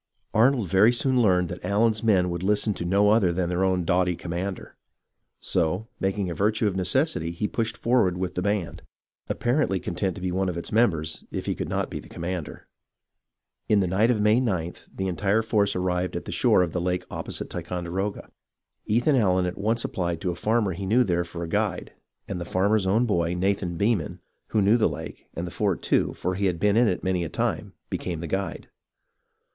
Arnold very soon learned that Allen's men would listen to no other than their own doughty commander ; so, making a virtue of necessity, he pushed forward with the band, apparently content to be one of its members, if he could not be the commander. In the night of May 9th, the entire force arrived at the shore of the lake opposite Ticonderoga. Ethan Allen at once applied to a farmer he knew there for a guide ; and the farmer's own boy, Nathan Beman, who knew the lake, and the fort, too, for he had been in it many a time, became the guide.